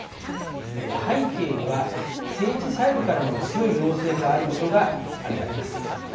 背景には政治サイドからの強い要請があることが挙げられます。